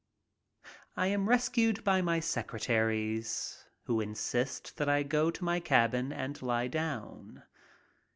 I am rescued by my secretaries, who insist that I go to my cabin and lie down.